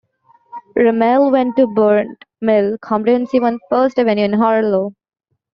Rammell went to Burnt Mill Comprehensive on First Avenue in Harlow.